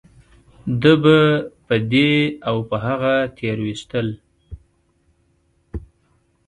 ده به په دې او په هغه تېرويستل .